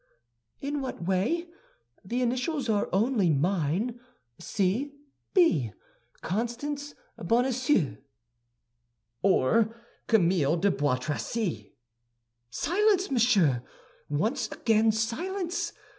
"In what way? The initials are only mine—C. B., Constance Bonacieux." "Or Camille de Bois Tracy." "Silence, monsieur! Once again, silence!